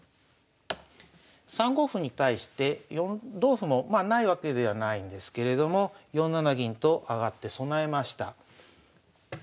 ３五歩に対して同歩もまあないわけではないんですけれども４七銀と上がって備えました。